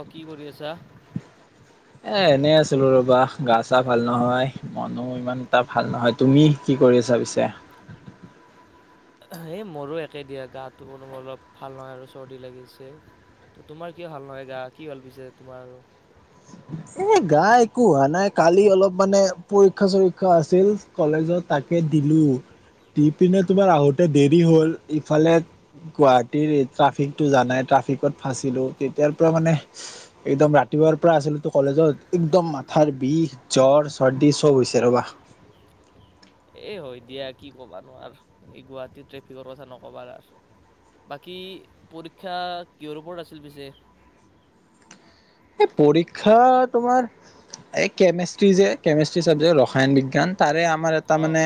অ', কি কৰি আছা? এ এনেই আছিলো ৰবা গা চা ভাল নহয়। মনও ইমান এটা ভাল নহয়। তুমি কি কৰি আছা পিছে? হে মোৰো একে দিয়া গাটো অলপ ভাল নহয় আৰু চৰ্দি লাগিছে ত তোমাৰ কিয় ভাল নহয় গা কি হল পিছে তোমাৰ ৰো। এ, গা একো হোৱা নাই কালি অলপ মানে পৰীক্ষা চৰীক্ষা আছিল। কলেজত তাকে দিলো, দি পিনে তোমাৰ আহোতে দেৰি হল ইফালে গুৱাহাটীৰ ট্ৰাফিকটো জানা এ ট্ৰাফিকত ফাঁচিলো তেতিয়াৰ পৰা মানে একদম ৰাতিপুৱাৰ পৰা আছিলোতো। কলেজত একদম মাথাৰ বিষ জ্বৰ চৰ্দি চব হৈছে ৰ'বা। এ হয় দিয়া কি ক'বা নো আৰু এই গুৱাহাটীৰ ট্ৰেফিকৰ কথা নক'বা আৰু বাকী পৰীক্ষা কিহৰ ওপৰত আছিল পিছে। এই পৰীক্ষা তোমাৰ এই কেমিষ্ট্ৰি যে কেমিষ্ট্ৰি চাবজেক্ট ৰসায়ন বিজ্ঞান তাৰে। আমাৰ এটা অ'। মানে।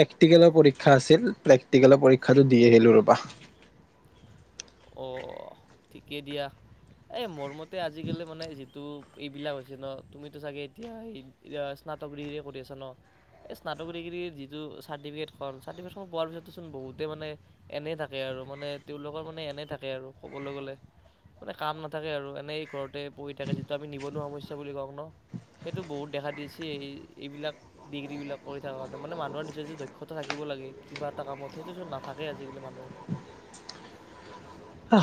প্ৰেক্টিকেলৰ পৰীক্ষা আছিল প্ৰেক্টিকেলৰ পৰীক্ষাটো দি আহিলো ৰ'বা। অ', ঠিকেই দিয়া এ মোৰমতে। আজিকালি মানে যিটো। এইবিলাক হৈছে ন তুমিতো চাগে এতিয়া স্নাতক ডিগ্ৰী কৰি আছা ন এই স্নাতক ডিগ্ৰীৰ যিটো চাৰ্টিফিকেটখন চাৰ্টিফিকেটখন পোৱাৰ পিছতোচোন বহুতেই মানে এনে থাকে আৰু মানে তেওঁলোকৰ মানে এনে। থাকে আৰু ক'বলৈ গ'লে মানে কাম নাথাকে আৰু এনে। ঘৰতে বহি থাকে যিটো আমি নিবনুৱা সমস্যা। কং ন সেইটো বহুত দেখা দিছে এই এইবিলাক ডিগ্ৰী বিলাক কৰি থাকতে মানে মানুহৰ নিজৰ দক্ষতা থাকিব লাগে কিবা এটা কামত সেইটো চোন নাথাকে আজিকালি মানুহৰ।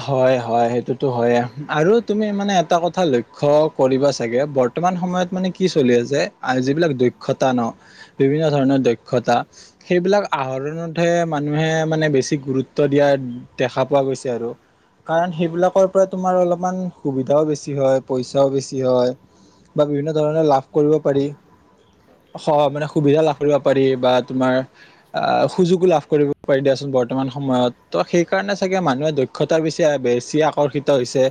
হয়, হয় সেইটোতো হয়ে আৰু তুমি মানে এটা কথা লক্ষ্য কৰিবা চাগে বৰ্তমান সময়ত মানে কি চলি আছে যিবিলাক দক্ষতা ন বিভিন্ন ধৰণৰ দক্ষতা সেইবিলাক আহৰণতহে মানুহে মানে বেছি গুৰুত্ব দিয়া দেখা পোৱা গৈছে আৰু। কাৰণ সেইবিলাকৰ পৰা তোমাৰ অলপমান সুবিধাও বেছি হয় পইচাও বেছি হয় বা বিভিন্ন ধৰণৰ লাভ কৰিব পাৰি স মানে সুবিধা লাভ কৰিব পাৰি বা তোমাৰ আ সুযোগো লাভ কৰিব পাৰি দিয়াচোন বৰ্তমান সময়ত ত সেই কাৰণে চাগে মানুহে দক্ষ। দক্ষতাৰ পিছে বেছি আকৰ্ষিত হৈছে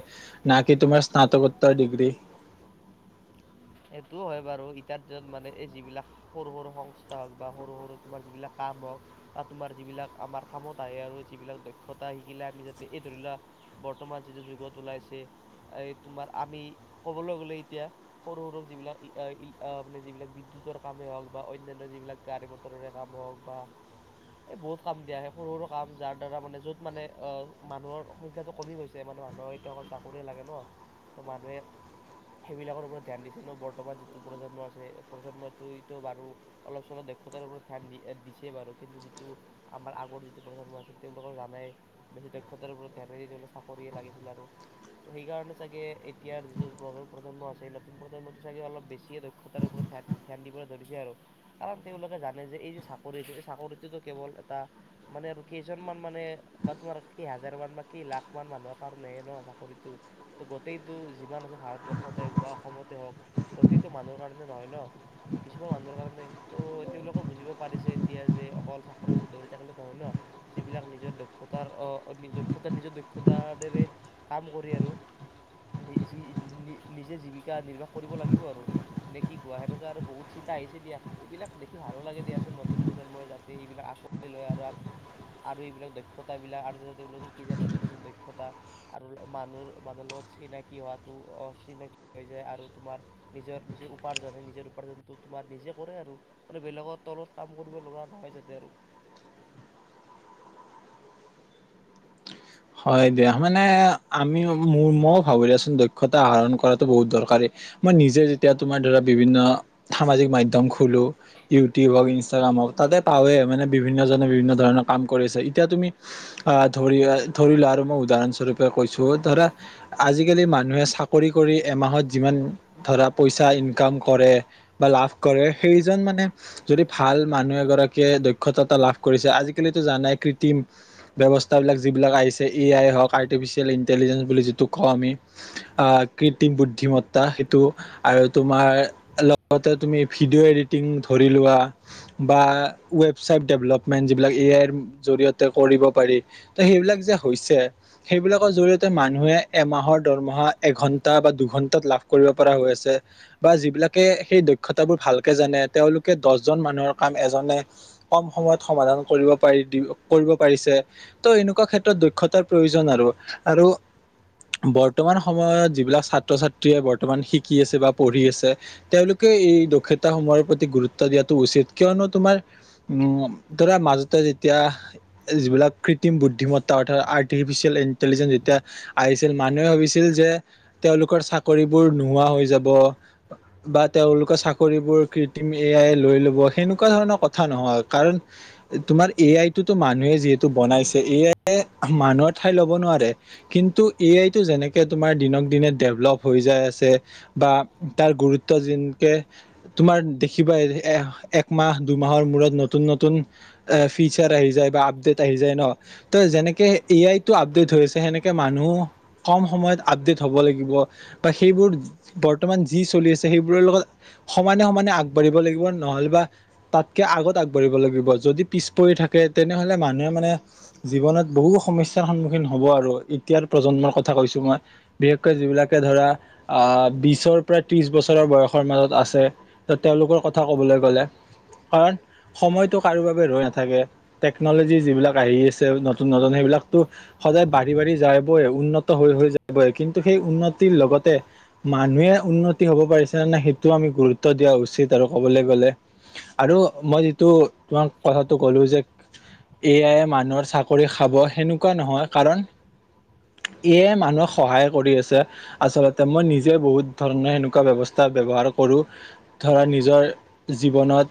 ন কি তোমাৰ স্নাতকোত্তৰ ডিগ্ৰী। সেইটোও হয় বাৰু ইতা যত মানে এই যিবিলাক সৰু সৰু সংস্থা হওঁক বা সৰু সৰু তোমাৰ যিবিলাক কাম হওঁক বা তোমাৰ যিবিলাক আমাৰ কামত আহে আৰু যিবিলাক দক্ষতা শিকিলে আমি যাতে এই ধৰি লোৱা বৰ্তমান যিটো যুগত ওলাইছে এই তোমাৰ আমি কবলৈ গ'লে এতিয়া। সৰু সৰু যিবিলাক ই, ই যিবিলাক বিদ্যুতৰ কামেই হওক বা অন্যান্য যিবিলাক গাড়ী মটৰেৰে কাম হওক বা এই বহুত কাম দিয়া আহে সৰু সৰু কাম যাৰ দ্বাৰা মানে য'ত মানে মানুহৰ সংখ্যাটো কমি গৈছে মানে মানুহৰ এতিয়া অকল চাকৰি লাগে ন ত মানুহে সেইবিলাকৰ ওপৰত। ধ্যান দিছে ন বৰ্তমান যিটো প্ৰজন্ম আছে। প্ৰজন্মটোতো বাৰু অলপ চলপ দক্ষতাৰ ওপৰত ধ্যান দি দিছেই বাৰু কিন্তু যিটো আমাৰ আগৰ যিটো প্ৰজন্ম আছে তেওঁলোকক জানাই বেছি দক্ষতাৰ ওপৰত ধ্যান তেওঁল চাকৰিয়ে লাগিছিল আৰু ত' সেইকাৰণে চাগে এতিয়াৰ যিটো প্ৰজন্ম আছে। প্ৰধানমন্ত্ৰী চাগে অলপ বেছিয়ে দক্ষতাৰ ওপৰত ধ্যান দিবলৈ ধৰিছে আৰু কাৰণ তেওঁলোকে জানে যে এই যে চাকৰিটো এই চাকৰিটোতো কেৱল এটা মানে আৰু কেইজনমান মানে বা তোমাৰ কেই হাজাৰমানা বা কেই লাখ মান মানুহৰ কাৰণেহে ন চাকৰিটো ত' গোটেইটো যিমান আছে ভাৰতবৰ্ষতে বা। অসমতে হওক গোটেইটো মানুহৰ কাৰণে নহয় ন ত' কিছুমান মানুহৰ কাৰণে তো তেওঁলোকে বুজিব পাৰিছে এতিয়া যে অকল চাকৰি পইচত ধৌৰি থাকিলে নহয় ন যিবিলাক নিজৰ দক্ষতাৰ দক্ষতা নিজৰ দক্ষতাৰেৰে কাম কৰি আৰুি নিজে জীৱ শিকা নিৰ্বাহ কৰিব লাগিব আৰু নে কি কোৱা সেনেকুৱা আৰু বহুত চিন্তা আহিছে দিয়া এইবিলাক দেখি ভালো লাগে দিয়াচোন নতুন প্ৰজন্মই যাতে এইবিলাক আঁকোৱালি লয় আৰু আৰু এইবিলাক দক্ষতাবিলাক আৰু যাতে তেওঁলোক শিকি যায় নতুন নতুন দক্ষতা আৰু মানুহ মানুহ লগত চিনাকি হোৱাটো অ চিনাকি হৈ যায় আৰু তোমাৰ নিজৰ নিজৰ উপাৰ্জন সেই নিজৰ উপাৰ্জনটো তোমাৰ নিজে কৰে আৰু মো বেলেগৰ তলত কাম কৰিব লগা নহয় যাতে আৰু হয় দিয়া মানে আমি ম মইো ভাবোলিয়াচোন দক্ষতা আহৰণ কৰাতো বহুত দৰকাৰী মই নিজে যেতিয়া তোমাৰ ধৰা বিভিন্ন সামাজিক মাধ্যম খোলো ইউটিউব হওঁক ইনষ্টাগ্ৰাম হওক তাতে পাওৱে মানে বিভিন্ন জনে বিভিন্ন ধৰণৰ কাম কৰি আছে এতিয়া তুমি আহ ধৰি ধৰি ল মই উদাহৰণস্বৰূপে কৈছো ধৰা আজিকালি মানুহে চাকৰি কৰি এমাহত যিমান ধৰা পইচা ইনকাম কৰে বা লাভ কৰে সেইজন মানে যদি ভাল মানুহ এগৰাকীয়ে দক্ষতা এা লাভ কৰিছে আজিকালিতো জানাই কৃত্ৰিম ব্যৱস্থাাবিলাক যিবিলাক আহ এ আই হওক আৰ্টিফিচিয়েল ইন্টেলিজেঞ্চ বুলি যিটো কওঁ আমি কৃত্ৰিম বুদ্ধিমত্তা সেইটো আৰু তোমাৰ লগতে তুমি ভিডিঅ' এডিটিং ধৰি লোৱা বা ৱেবচাইট ডেভেলপমেণ্ট যিবিলাক এ আইৰ জৰিয়তে কৰিব পাৰি ত সেইবিলাক যে সেইবিলাকৰ জৰি়য়তে মানুহে এমাহৰ দৰমাহা এঘন্টা বা দুঘন্টাত লাভ কৰিব পৰা হৈ আছে বা যিবিলাকে সেই দক্ষতাবোৰ ভালকে জানে তেওঁলোকে দহজন মানুহৰ কাম এজনে কম সময়ত সমাধান কৰিব পাৰি কৰিব পাৰিছে ত' এনেকুৱা ক্ষেত্ৰত ক্ষতাৰ প্ৰয়োজন আৰু আৰু বৰ্তমান সময়ত যিবিলাক ছাত্ৰ ছাত্ৰীয়ে বৰ্তমান শিকি আছে বা পঢ়ি আছে তেওঁলোকে এই দক্ষতাস সমূহৰ প্ৰতি গুৰুত্ব দিয়াটো উচিত কিয়নো তোমাৰ উম ধৰা মাজতে যেতিয়া যিবিলাক কৃত্ৰিম বুদ্ধিমত্তা আৰ্টিফিচিয়েল ইণ্টেলিজেন্ঞ্চ যেতিয়া আহিছিল মানুহে ভাবিছিল যে তেওঁলোকৰ চাকৰিবোৰ নোহোৱা হৈ যাব বা তেওঁলোকৰ চাকৰিবোৰ ক্ৰিম এ আই লৈ ল'ব সেনেকুৱা ধৰণৰ কথা নহয় কাৰণ তোমাৰ এ আই টোতো মানুহে যিহেতু বনাইছে এ আই মানুহৰ ঠাই ল'ব নোৱাৰে কিন্তু এ আই টো যেনেকে তোমাৰ দিনক দিনে ডেভলপ হৈ যাই আছে বা তাৰ গুৰুত্ব যেনকে তোমাৰ দেখিবা একমাহ দুমাহৰ মূৰত নতুন নতুন ফিচাৰ আহি যায় বা আপডেট আহি যায় ন ত যেনেকে এ আই টো আপডেট হৈ আছে সেনেকে মানুহ কম সময়ত আপডেট হব লাগিব বা সেইবোৰ বৰ্তমান যি চলি আছে সেইবোৰৰ লগত সমানে সমানে আগবাঢ়িব লাগিব নহলেব বা তাতকে আগত আগবাঢ়িব লাগিব যদি পিছ পৰি থাকে তেনেহলে মানুহে মানে জীৱনত বহু সমস্যাৰ সন্মুখীন হ'ব আৰু এতিয়াৰ প্ৰজন্মৰ কথা কৈছো মই বিশেষকৈ যিবিলাকে ধৰা আহ বিশৰ পৰা ত্ৰিশ বছৰৰ বয়সৰ মাজত আছে ত তেওঁলোকৰ কথা কবলৈ গ'লে কাৰণ সময়তটো কাৰো বাবে ৰৈ নাথাকে টেকনলজি যিবিলাক আহি আ ছে নতুন সেইবিলাকো সদায় বাঢ়ি বাঢ়ি যায় বই উন্নত হৈ হৈ যায় বই কিন্তু সেই উন্নতিৰ লগতে মানুহে উন্নতি হব পাৰিছে নে নাই সেইটো আমি গুৰুত্ব দিয়া উচিত আৰু কবলৈ গলে আৰু মই যিটো তোমাক কথাটো কলো যে এ আই মানুহৰ চাকৰি খাব সেনেকুৱা নহয় কাৰণ ইয়ে মানুহক সহায় কৰি আছে আচলতে মই নিজে বহুত ধৰণৰ সেনেকুৱা ব্যৱস্থা ব্যৱহাৰ কৰো ধৰা নিজৰ জীৱনত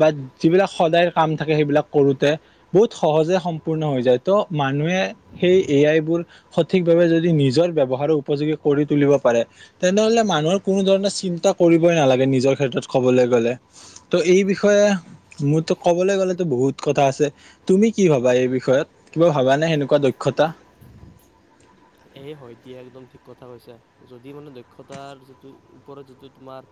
বা যিবিলাক সদায় কাম থাকে সেইবিলাক কৰোতে বহুত সহজে পূৰ্ণ হৈ যায় ত মানুহে সেই এ আই বোৰ সঠিক ভাৱে যদি নিজৰ ব্যৱহাৰ উপযোগী কৰি তুলিব পাৰে তেনেহলে মানুহৰ কোনো ধৰণে চিন্তা কৰিবই নালাগে নিজৰ ক্ষেত্ৰত কবলৈ গলে ত' এই বিষয়ে মোৰ কবলৈ গলেতো বহুত কথা আছে তুমি কি ভাবা এই বিষয়ে বিষয়ত কিবা ভবানে সেনেকুৱা দক্ষতা এই হয় দিয়া একদম ঠিক কথা কৈছা যদি মানে দক্ষতাৰ যিটো ওপৰত যিটো তোমাৰ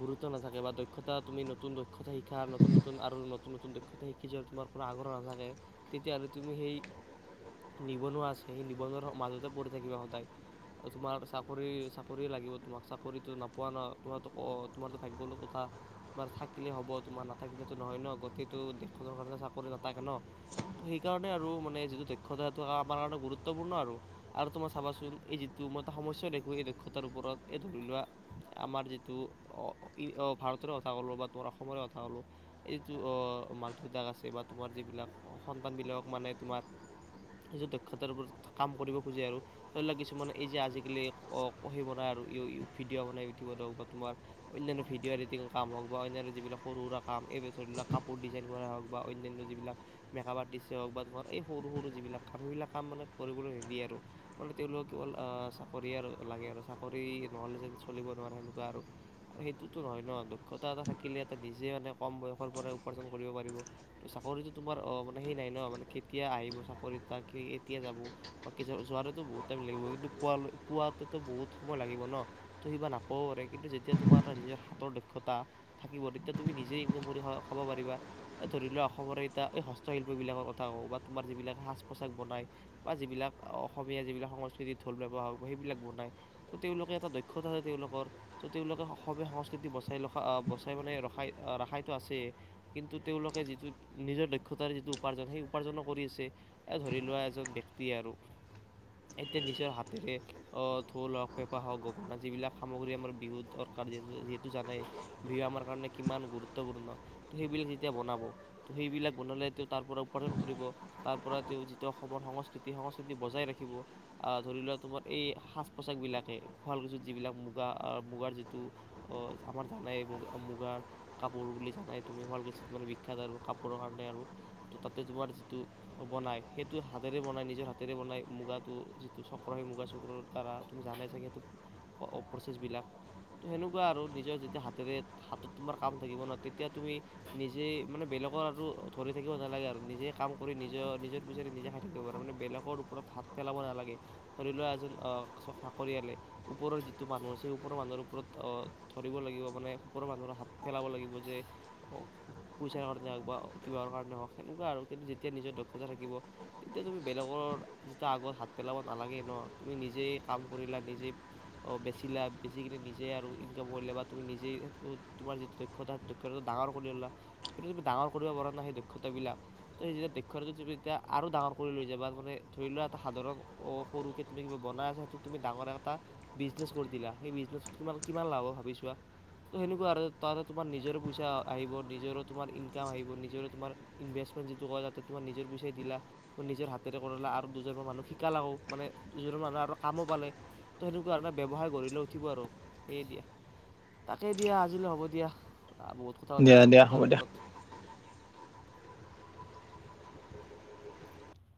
গুৰুত্ব নাথাকে বা দক্ষতা তুমি নতুন দক্ষ কথা শিকা নতুন নতুন আৰু নতুনতন দক্ষতা শিকি য তোমাৰ কোনো আগ্ৰহ নাথাকে তেতিয়াহ'লে তুমি সেই নিবনুৱা আছে সেই নিবনুৱ মাজত ঢ় থাকিব সদায় তোমাৰ চাকৰি চাকৰিয়ে লাগিব তোমাক চাকৰিতো নপোৱা ন তোমাৰো তোমাৰো ভাগ্ল কথা তোমাৰ থাকিলে হব তোমাৰ নাথাকিলো নহয় ন গোতেইটো দেশখনৰ কাৰণ চাকৰি নাথাকে ন ত সেইকাৰণে আৰু মানে যিটো দক্ষতাটো আমাৰ কাৰ গুৰুত্বপূৰ্ণ আৰু আৰু তোমাৰ চাবাচোন এই যিটো মই এটা সমস্যা দেখোঁ এই দক্ষতাৰ ওপৰত এই ধৰি লোৱা আমাৰ যিটো ভাৰতৰে কথা ক'লোঁ বা তোমাৰ অসমৰে কথা ক'লোঁ এই যিটো মাক দেউতাক আছে বা তোমাৰ যিবিলাক সন্তানবিলাকক মানে তোমাৰ এই যটো দক্ষতাৰ ওপৰত কাম কৰিব খোজে আৰু ধৰি লওক কিছুমান এই যে আজিকালি সেই বনাই আৰু ভিডিঅ' বনাই ইউটিউবত হওক বা তোমাৰ অন্যান্য ভিডিঅ' এডিটিং কাম হওক বা অন্যান্য যিবিলাক সৰু সুৰা কাম এইবিলাক ধৰি লওক কাপোৰ ডিজাইন কৰাই হওক বা অন্যান্য যিবিলাক মেকআপ আৰ্টিষ্টেই হওক বা তোমাৰ এই সৰু সৰু যিবিলাক কাম সেইবিলাক কাম মানে কৰিবলৈ নিদিয়ে আৰু মানে তেওঁলোকক কেৱল আহ চাকৰি আৰু লাগে আৰু চাকৰি নহলে যেন চলিব নোৱাৰে সেনেকুৱা আৰু সেইটোতো নহয় ন দক্ষতা এটা থাকিলে এটা নিজে মানে কম বয়সৰ পৰা উপাৰ্জন কৰিব পাৰিব চাকৰিটো তোমাৰ মানে সেই নাই ন মান কেতিয়া আহিব চাকৰি এতিয়া যাব যোৱাটোতো বহুত টাইম লাগিব কিন্তু পোৱা পোৱাতেতো বহুত সময় লাগিব ন ত' সিবা নাপাবও পাৰে কিন্তু যেতিয়া তোমাৰ এটা নিজৰ হাতৰ দক্ষতা থাকিব তেতিয়া তুমি নিজে ইনকাম কৰি খাব পাৰিবা এই ধৰি লোৱা অসমৰ এতিয়া এই হস্তশিল্পবিলাকৰ কথা কওঁ বা তোমাৰ যিবিলাক সাজ পোছাক বনাই বা যিবিলাক অসমীয়া যিবিলাক সংস্কৃতিৰ থল বৱ হওক সেইবিলাক বনায় তো তেওঁলোকে এটা দক্ষতাছে তেওঁলোকৰ তো তেওঁলোকে অসমীয়া সংস্কৃতি বচাই ৰখা বচাই মানে ৰখাই ৰখাইতো আছে কিন্তু তেওঁলোকে যিটো নিজৰ দক্ষতাৰ যিটো উপাৰ্জন সেই উপাৰ্জনো কৰি আছে ধৰি লোৱা এজন ব্যক্তিয়ে আৰু এতিয়া নিজৰ হাতেৰে আহ ঢোল হওক পেঁপা হওক গগনা যিবিলাক সামগ্ৰী আমাৰ বিহু দৰকাৰ যিহেতু জানে বিহু আমাৰ কাৰণে কিমান গুৰুত্বপূৰ্ণ ত' সেইবিলাক যেতিয়া বনাব ত সেইবিলাক বনালে তেওঁ তাৰ পৰা উপাৰ্জন কৰিব তাৰ পৰা তেওঁ যিটো অসমৰ সংস্কৃতিস বজাই ৰাখিব আহ ধৰি লোৱা তোমাৰ এই সাজ পোছাক বিলাকে শুৱালকুছুিত যিবিলাক মুগা মুগাৰ যিটো অ আমাৰ জানাইগা মুগাৰ কাপোৰ বুলি জানাই তুমি শুৱালকুছুিত মানে বিখ্যাত আৰু কাপোৰৰ কাৰণে আৰু ত তাতে তোমাৰ যিটো বনাই সেইটো হাতেৰে বনাই নিজৰ হা হাতেৰে বনাই মুগাটো যিটো চক্ৰ সেই মুগা চক্ৰৰ দ্বাৰা তুমি জানাই চাগে সেইটো প্ৰচেছবিলাক তো সেনেকুৱা আৰু নিজৰ যেতিয়া হাতেৰে হাতত তোমাৰ কাম থাকিব ন তেতিয়া তুমি নিজেই মানে বেলেগৰ আৰু ধৰি থাকিব নালাগে আৰু নিজেই কাম কৰি নিজৰ নিজৰ পূচাৰে নিজে খাই থাকিব পাৰা মানে বেলেগ ওপৰত হাত পেলাব নালাগে ধৰি লোৱা এজন সাকৰিয়ালে ওপৰৰ যিটো মানুহ আ সেই ওপৰৰ মানুহৰ ওপৰত ধৰিব লাগিব মানে ওপৰৰ মানুহৰ হাত পেলাব লাগিব যে পইচাৰ কাৰণে হওক বা কিব কাৰণে হওক সেনেকুৱা আৰু কিন্তু যেতিয়া নিজৰ দক্ষতা থাকিব তেতিয়া তুমি বেলেগৰ যিটো আগত হাত পেলাব নালাগে ন তুমি নিজেই কাম কৰিলা নিজেই বেচিলা বেচিকিনে নিজে আৰু ইনকাম কৰিলা বা তুমি নিজেই তোমাৰ যিটো দক্ষতা দক্ষতাটো ডাঙৰ কৰি ল'লা কিন্তু তুমি ডাঙৰ কৰিব পৰা নাই সেই দক্ষতাবিলাক তো যেতিয়া দক্ষতাটো যেতিয়া আৰু ডাঙৰ কৰি লৈ যাবা মানে ধৰি লোৱা এটা সাধাৰণ অ সৰুকে তুমি কিবা বনাই আছা সেইটো তুমি ডাঙৰ এটা বিজনেছ কৰি দিলা সেই বিজনেচত তোমাৰ কিমান লাভ হব ভাবিছোৱা ত' সেনেকুৱা আৰু তাতে তোমাৰ নিজৰে পইচা আহিব নিজৰে তোমাৰ ইনকাম আহিব নিজৰে তোমাৰ ইনভেষ্টমেণ্ট যিটো কয় তাতে তোমাৰ নিজৰ পইচাই দিলা নিজৰ হাতেৰে কৰলা আৰু দুজনমান মানুহক শিকালা ও মানে দুজনমান মানুহে আৰু কামো পালে তো সেনেকুৱা ধৰণে ব্যৱসায় গঢ়িলৈ উঠিব আৰু সেয়ে দিয়া তাকেই দিয়া আজিলৈ হ'ব দিয়া আৰ বহুত কথা পাতি দিয়া দিয়া হ'ব দক্ষতাৰ দিয়া ওপৰত